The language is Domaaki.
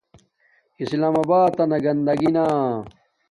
اسلام آباتنا گنداگی نا